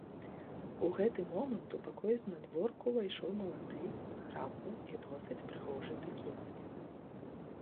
У гэты момант у пакой знадворку ўвайшоў малады, зграбны і досыць прыгожы тэкінец.